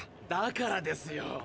だからですよ。